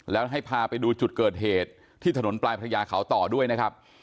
แล้วให้พาไปดูจุดเกิดเหตุที่ถนนปลายพระยาเขาต่อด้วยนะครับ